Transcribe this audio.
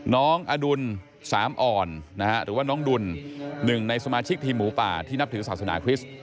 น้องอดุลสามอ่อนหรือว่าน้องดุลหนึ่งในสมาชิกทีมหมูป่าที่นับถือศาสนาคริสต์